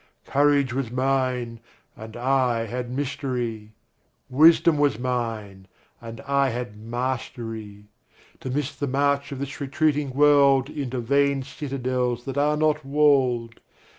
Courage was mine, and I had mystery; Wisdom was mine, and I had mastery; To miss the march of this retreating world Into vain citadels that are not walled.